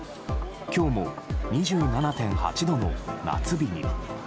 今日も２７．８度の夏日に。